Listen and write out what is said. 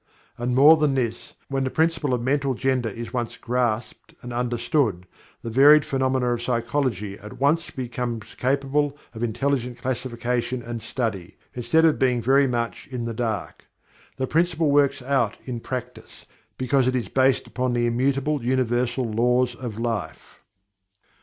And more than this, when the principle of Mental Gender is once grasped and understood, the varied phenomena of psychology at once becomes capable of intelligent classification and study, instead of being very much in the dark. The principle "works out" in practice, because it is based upon the immutable universal laws of life.